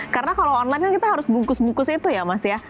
karena kalau online kan kita harus bungkus bungkus itu ya mas ya